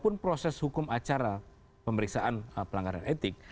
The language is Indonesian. pun proses hukum acara pemeriksaan pelanggaran etik